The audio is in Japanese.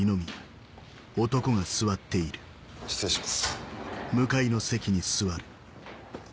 失礼します。